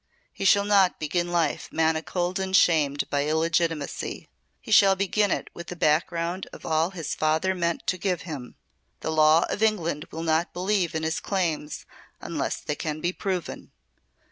He shall not begin life manacled and shamed by illegitimacy. He shall begin it with the background of all his father meant to give him. The law of England will not believe in his claims unless they can be proven.